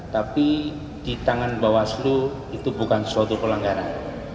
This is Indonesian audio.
tapi di tangan bawaslu itu bukan suatu pelanggaran